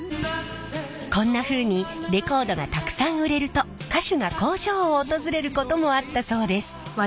こんなふうにレコードがたくさん売れると歌手が工場を訪れることもあったそうです。